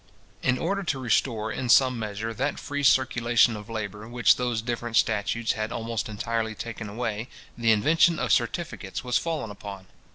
In order to restore, in some measure, that free circulation of labour which those different statutes had almost entirely taken away, the invention of certificates was fallen upon.